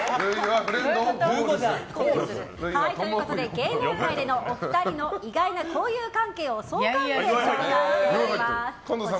芸能界でのお二人の意外な交友関係を相関図でまとめています。